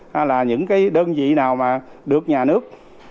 hay là những cái đơn vị nào mà được nhà nước